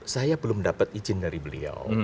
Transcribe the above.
saya belum dapat izin dari beliau